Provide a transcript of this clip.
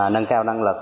nâng cao năng lực